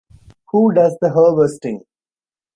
Who does the harvesting?